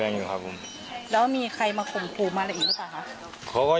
แล้วมีใครมาข่มผูมอะไรอีกหรือเปล่าครับ